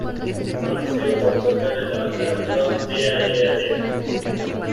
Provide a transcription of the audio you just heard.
Conocido por tocar en la banda de rock Yeah Yeah Yeahs.